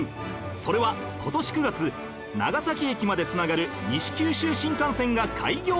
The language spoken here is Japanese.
それは今年９月長崎駅まで繋がる西九州新幹線が開業したから